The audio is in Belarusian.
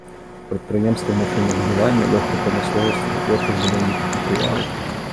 Прадпрыемствы машынабудавання, лёгкай прамысловасці, вытворчасць будаўнічых матэрыялаў.